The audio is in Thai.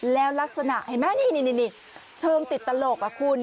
แล้วลักษณะเห็นไหมนี่เชิงติดตลกคุณ